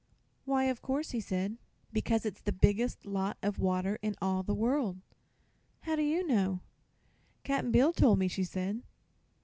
"Why of course?" he asked. "Because it's the biggest lot of water in all the world." "How do you know?" "Cap'n Bill told me," she said.